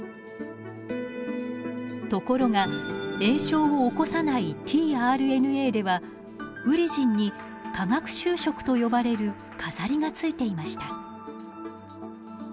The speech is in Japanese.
ところが炎症を起こさないｔＲＮＡではウリジンに化学修飾と呼ばれる飾りがついていました。